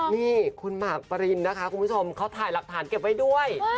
นี่คุณหมากปรินนะคะคุณผู้ชมเขาถ่ายหลักฐานเก็บไว้ด้วย